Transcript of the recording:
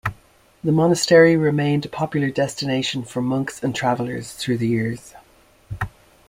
The monastery remained a popular destination for monks and travelers through the years.